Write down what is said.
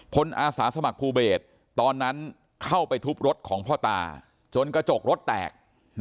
อาสาสมัครภูเบศตอนนั้นเข้าไปทุบรถของพ่อตาจนกระจกรถแตก